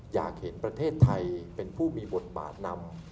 อยากเห็นประเทศไทยเป็นผู้มีบทบาทนำ